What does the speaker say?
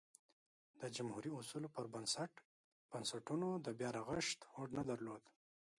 د جمهوري اصولو پر بنسټ بنسټونو د بیا رغښت هوډ نه درلود